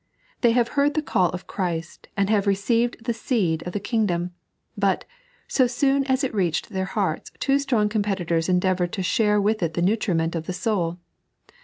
They have heard the call of Christ, and have received the seed of the king dom ; but, BO soon as it reached their hearts, two strong competitors endeavoured to share with it the nutriment of the soul.